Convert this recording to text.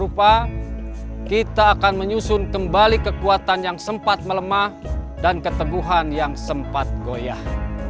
dan setelah kegangguan yang sedemikian rupa kita akan menyusun kembali kekuatan yang sempat melemah dan keteguhan yang sempat goyah